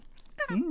うん。